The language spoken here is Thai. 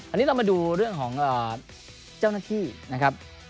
อันนี้เรามาดูเรื่องของเจ้าหน้าที่นะครับ